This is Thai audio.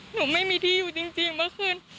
หนูไม่มีที่อยู่จริงเมื่อคืน